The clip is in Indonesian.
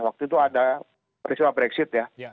waktu itu ada peristiwa brexit ya